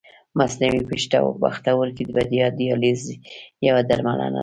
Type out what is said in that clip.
مصنوعي پښتورګی یا دیالیز یوه درملنه ده.